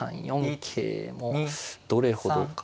桂もどれほどか。